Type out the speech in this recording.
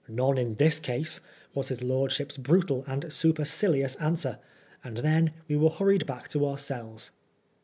" None in this case," was his lordship's brutal and supercilious answer ; and then we were hurried back to our cells.